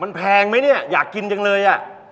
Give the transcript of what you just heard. มันแพงไหมเนี่ยอยากกินจังเลยอ่ะ